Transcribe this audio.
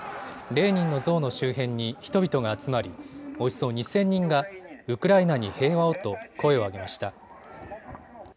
レーニンの像の周辺に人々が集まりおよそ２０００人がウクライナに平和をと声を上げました。